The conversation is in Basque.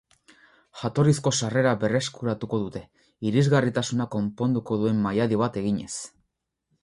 Jatorrizko sarrera berreskuratuko dute, irisgarritasuna konponduko duen mailadi bat eginez.